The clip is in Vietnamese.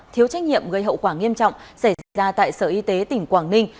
thiếu trách nhiệm gây hậu quả nghiêm trọng xảy ra tại sở y tế tỉnh quảng ninh